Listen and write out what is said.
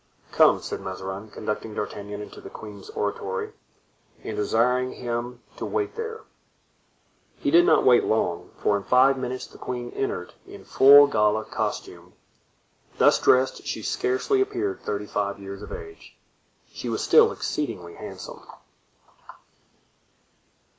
"Come," said Mazarin, conducting D'Artagnan into the queen's oratory and desiring him to wait there. He did not wait long, for in five minutes the queen entered in full gala costume. Thus dressed she scarcely appeared thirty five years of age. She was still exceedingly handsome.